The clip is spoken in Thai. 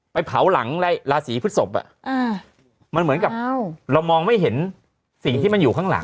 ไปเผาหลังราศีพฤศพมันเหมือนกับเรามองไม่เห็นสิ่งที่มันอยู่ข้างหลัง